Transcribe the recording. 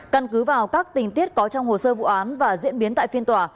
căn cứ vào các tình tiết có trong hồ sơ vụ án và diễn biến tại phiên tòa